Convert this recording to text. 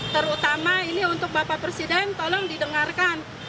terutama ini untuk bapak presiden tolong didengarkan